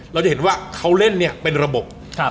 เราจะเห็นว่าเขาเล่นเนี่ยเป็นระบบ